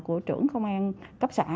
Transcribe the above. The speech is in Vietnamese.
của trưởng công an cấp xã